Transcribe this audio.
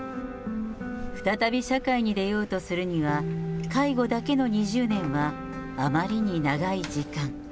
再び社会に出ようとするには、介護だけの２０年はあまりに長い時間。